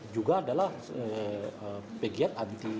juga adalah pegiat anti